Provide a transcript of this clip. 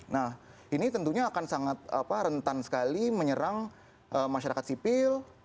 nah ini tentunya akan sangat rentan sekali menyerang masyarakat sipil